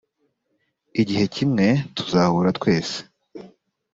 igihe kimwe tuzahura twese.